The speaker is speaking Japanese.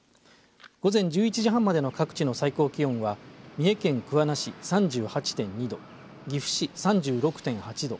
午前１１時半までの各地の最高気温は三重県桑名市３８．２度岐阜市３６．８度